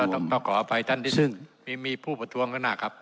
ต้องขออภัยท่านที่ซึ่งมีผู้ประท้วงข้างหน้าครับ